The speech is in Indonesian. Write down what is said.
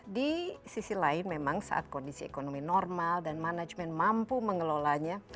di sisi lain memang saat kondisi ekonomi normal dan manajemen mampu mengelolanya